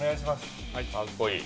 かっこいい。